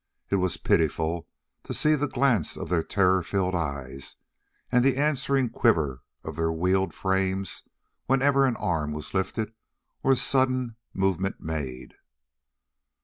It was pitiful to see the glance of their terror filled eyes and the answering quiver of their wealed frames whenever an arm was lifted or a sudden movement made.